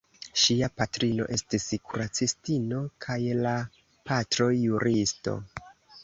Ŝia patrino estis kuracistino kaj la patro juristo.